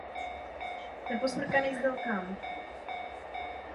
Ta byla umístěna na levé straně zadní části pouzdra závěru.